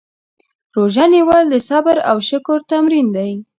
روژه نیول د صبر او شکر تمرین دی.